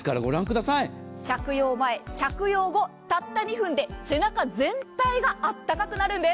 着用前、着用後たった２分で背中全体があったかくなるんです。